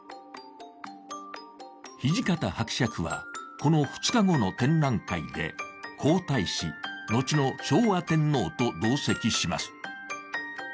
土方伯爵はこの２日後の展覧会で皇太子、後の昭和天皇と同席します